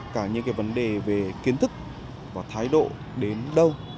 cả những cái vấn đề về kiến thức và thái độ đến đâu